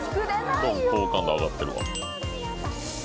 どんどん好感度上がってるわ。